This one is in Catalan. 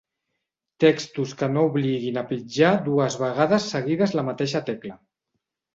Textos que no obliguin a pitjar dues vegades seguides la mateixa tecla.